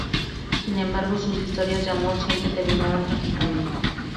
Sin embargo, sus historias de amor siempre terminaban trágicamente.